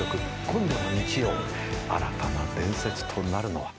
今度の日曜新たな伝説となるのは。